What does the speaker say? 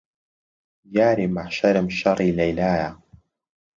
یاری مەحشەرم شەڕی لەیلایە